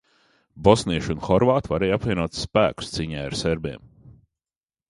Bosnieši un horvāti varēja apvienot spēkus cīņai ar serbiem.